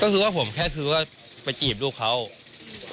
ก็คือว่าผมแค่คือว่าไปจีบลูกเขา